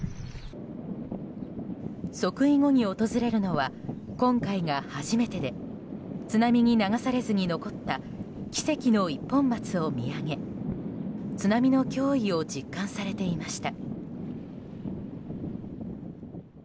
即位後に訪れるのは今回が初めてで津波に流されずに残った奇跡の一本松を見上げ津波の脅威を実感されていました。